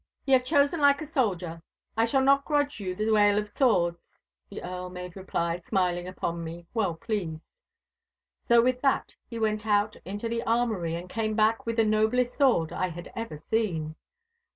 'Ye have chosen like a soldier. I shall not grudge you the wale of swords,' the Earl made reply, smiling upon me, well pleased. So with that he went out into the armoury, and came back with the noblest sword I had ever seen.